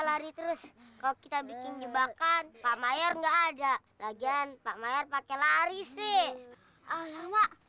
lari terus kok kita bikin jebakan pak mayor nggak ada lagian pak mayor pakai lari sih alamak